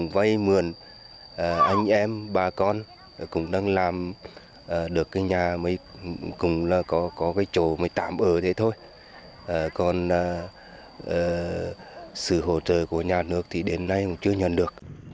và sự hỗ trợ của nhà nước thì đến nay cũng chưa nhận được